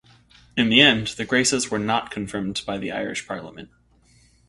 In the end, the Graces were not confirmed by the Irish Parliament.